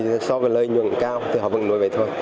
vì so với lợi nhuận cao thì họ vững nuôi vậy thôi